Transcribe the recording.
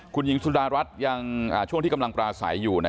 คุณหญิงสุดารัฐยังช่วงที่กำลังปราศัยอยู่